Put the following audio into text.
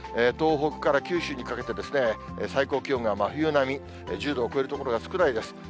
東北から九州にかけて、最高気温が真冬並み、１０度を超える所が少ないです。